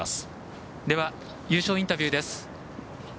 優勝インタビューです。